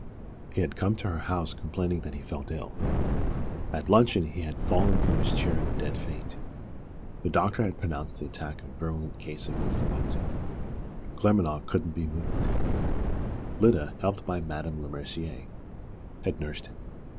He had come to her house, complaining that he felt ill. At luncheon he had fallen from his chair in a dead faint. The doctor had pronounced the attack a virulent case of influenza. Claremanagh couldn't be moved. Lyda, helped by Madame Lemercier, had nursed him.